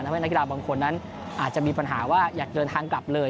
นักกีฬาบางคนนั้นอาจจะมีปัญหาว่าอยากเดินทางกลับเลย